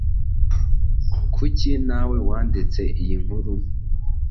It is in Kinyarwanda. kuki nawe wanditse iyi nkuru